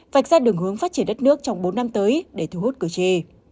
vạch ra đường hướng phát triển đất nước trong bốn năm tới để thu hút cử tri